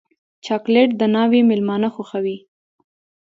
چاکلېټ د ناوې مېلمانه خوښوي.